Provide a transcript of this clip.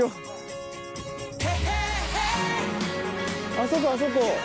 あそこあそこ！